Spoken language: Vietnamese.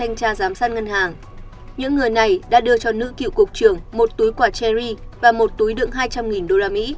những người này đã đưa cho nữ cựu cục trưởng một túi quả cherry và một túi đựng hai trăm linh usd